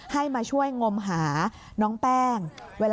ให้มาช่วยงมหาน้องแป้ง